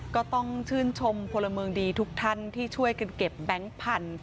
ก็ต้องชื่นชมพลเมืองดีทุกท่านที่ช่วยกันเก็บแบงค์พันธุ์